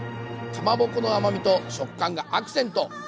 かまぼこの甘みと食感がアクセント。